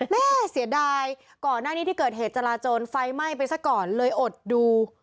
แม่เสียดายก่อนหน้านี้ที่เกิดเหตุจราจนไฟไหม้ไปซะก่อนเลยอดดู